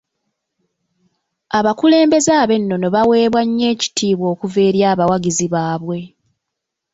Abakulembeze ab'ennono baweebwa nnyo ekitiibwa okuva eri abawagizi baabwe.